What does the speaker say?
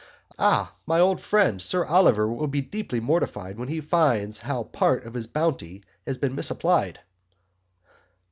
Ah! my old Friend, Sir Oliver will be deeply mortified when he finds how Part of his Bounty has been misapplied.